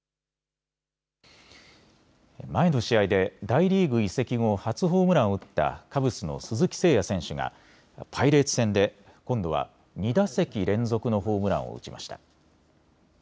前の試合で大リーグ移籍後、初ホームランを打ったカブスの鈴木誠也選手がパイレーツ戦で今度は２打席連続のホームランを打ちました。